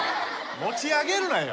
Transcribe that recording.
持ち上げるなよ。